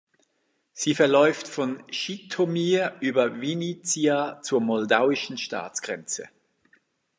Sie verläuft von Schytomyr über Winnyzja zur moldauischen Staatsgrenze.